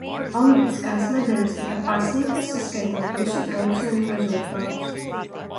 Olimpiskās medaļas tika pasniegtas saskaitot visu braucienu rezultātus.